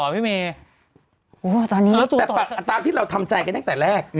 แต่ปรากฎที่เราทำใจกันตั้งแต่แรก